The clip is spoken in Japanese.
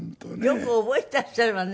よく覚えていらっしゃるわね。